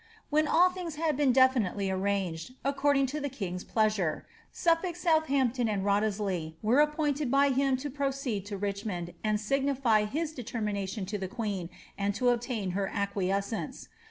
When all things had been definitely arranged according to the king^ pleasure, Suffolk, Southampton, and Wriothesley, were appointed by hiffl to proceed to Richmond, and signify his determination to the queen, and to obtain her acquiescence.